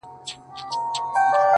د مسجد لوري” د مندر او کلیسا لوري”